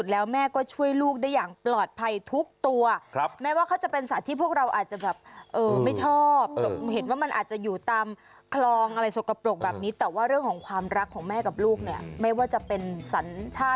แล้วลูกมันก็ร้องจ๊ะ